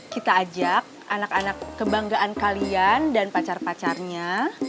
kita ajak anak anak kebanggaan kalian dan pacar pacarnya